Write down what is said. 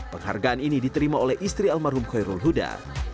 penghargaan ini diterima oleh istri almarhum koirul huda